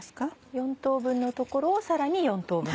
４等分のところをさらに４等分。